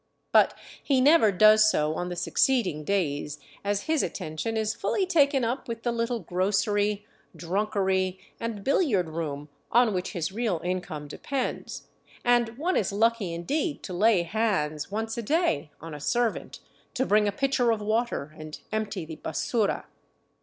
But he never does so on the succeeding days, as his attention is fully taken up with the little grocery, drunkery, and billiard room on which his real income depends, and one is lucky indeed to lay hands once a day on a servant to bring a pitcher of water and empty the basura.